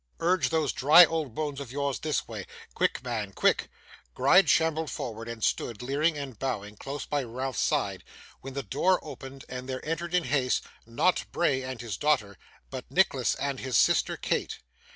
Urge those dry old bones of yours this way. Quick, man, quick!' Gride shambled forward, and stood, leering and bowing, close by Ralph's side, when the door opened and there entered in haste not Bray and his daughter, but Nicholas and his sister Kate.